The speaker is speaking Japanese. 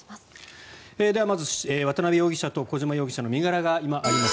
では、まず渡邉容疑者と小島容疑者の身柄が今、あります